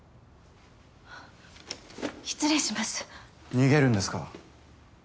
逃げるんですか？